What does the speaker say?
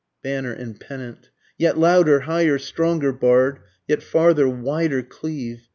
Banner and Pennant. Yet louder, higher, stronger, bard! yet farther, wider cleave!